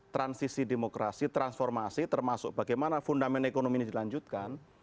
transisi demokrasi transformasi termasuk bagaimana fundament ekonomi ini dilanjutkan